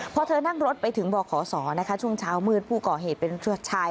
พอเธอนั่งรถไปถึงบ่อขอสอนะคะช่วงเช้ามืดผู้ก่อเหตุเป็นผู้ชาย